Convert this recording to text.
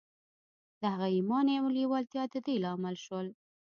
د هغه ايمان او لېوالتیا د دې لامل شول.